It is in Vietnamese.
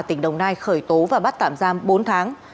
tỉnh đồng nai khởi tố và bắt tạm giam bốn tháng